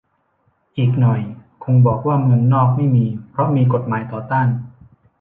อีกหน่อยคงบอกว่าเมืองนอกไม่มี เพราะมีกฎหมายต่อต้าน